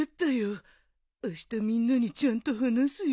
あしたみんなにちゃんと話すよ。